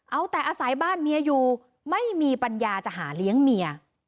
เอาแต่อาศัยบ้านเมียอยู่ไม่มีปัญญาจะหาเลี้ยงเมีย